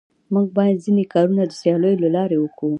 موږ بايد ځيني کارونه د سياليو له لاري وکو.